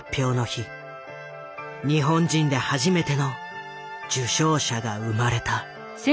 日本人で初めての受賞者が生まれた。